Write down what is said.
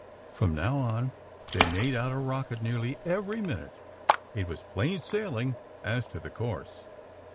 From now on they made out a rocket nearly every minute. It was plain sailing as to tke course.